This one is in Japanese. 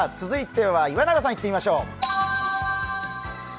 続いては岩永さん、いってみましょう。